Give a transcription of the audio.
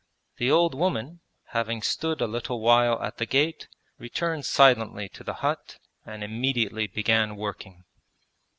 The old woman, having stood a little while at the gate, returned silently to the hut and immediately began working.